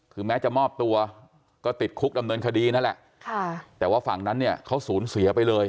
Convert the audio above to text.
คือแม้จะมอบตัวก็ติดคุกดำเนินคดีนั่นแหละค่ะแต่ว่าฝั่งนั้นเนี่ยเขาสูญเสียไปเลย